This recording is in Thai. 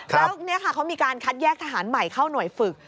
แล้วนี่ค่ะเขามีการคัดแยกทหารใหม่เข้าหน่วยฝึก